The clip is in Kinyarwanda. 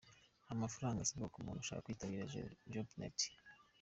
Nta mafaranga asabwa umuntu ushaka kwitabira Jobnet.